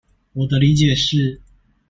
我的理解是